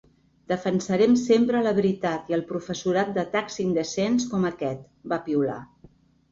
“Defensarem sempre la veritat i al professorat d’atacs indecents com aquest”, va piular.